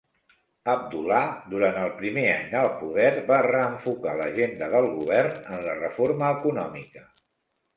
Abdullah, durant el primer any al poder, va reenfocar l'agenda del govern en la reforma econòmica.